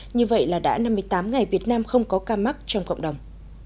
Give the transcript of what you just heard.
như vậy là đã năm mươi tám ngày việt nam không có ca mắc trong cộng đồng